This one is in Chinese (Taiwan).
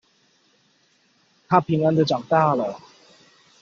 她平安的長大了